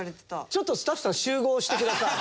ちょっとスタッフさん集合してください。